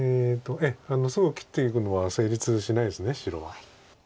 すぐ切っていくのは成立しないです白は。